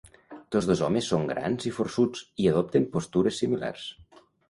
Tots dos homes són grans i forçuts, i adopten postures similars.